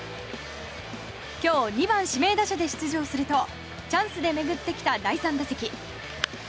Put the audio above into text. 今日、２番指名打者で出場するとチャンスで巡ってきた第３打席。